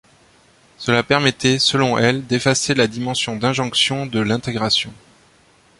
Cela permettrait, selon elle, d'effacer la dimension d'injonction de l'intégration.